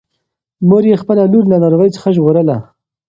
مور یې خپله لور له ناروغۍ څخه ژغورله.